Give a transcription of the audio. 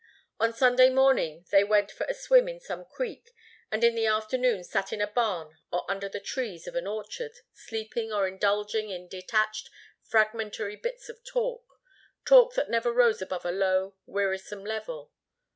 On Sunday morning they went for a swim in some creek and in the afternoon sat in a barn or under the trees of an orchard sleeping or indulging in detached, fragmentary bits of talk, talk that never rose above a low, wearisome level.